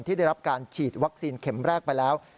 ได้รับการฉีดวัคซีนเข็มแรกไปแล้ว